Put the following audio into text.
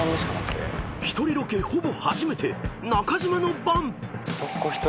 ［１人ロケほぼ初めて中島の番！］